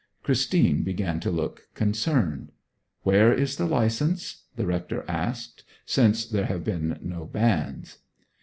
Christine began to look concerned. 'Where is the licence?' the rector asked; 'since there have been no banns.'